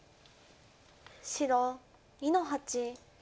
白２の八。